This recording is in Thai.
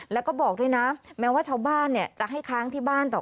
แล้วก็บอกด้วยนะแม้ว่าชาวบ้านจะให้ค้างที่บ้านต่อ